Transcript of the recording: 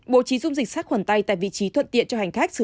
bộ trí dung dịch sát khoản tay tại vị trí thuận tiện cho hành khách sử dụng